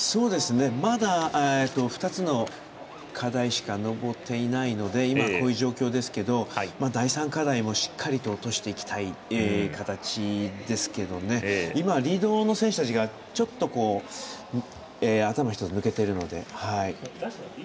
まだ２つの課題しか残っていないのでこういう状況ですけど第３課題も、しっかりと落としていきたい形ですけど今リードの選手たちが頭１つ抜けているので。